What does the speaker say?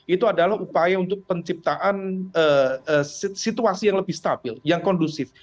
itu adalah upaya untuk penciptaan situasi yang lebih stabil yang kondusif